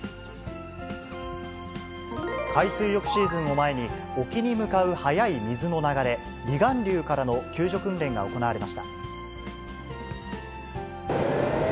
海水浴シーズンを前に、沖に向かう早い水の流れ、離岸流からの救助訓練が行われました。